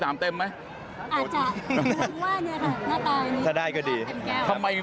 อาจจะถือว่าเนี่ยครับหน้าตาอยุ่งนี้ถ้าได้ก็ดี